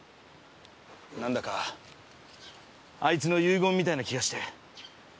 なんだかあいつの遺言みたいな気がして。